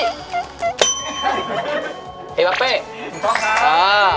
ให้ขอลอค้า